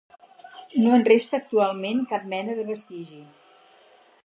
No en resta actualment cap mena de vestigi.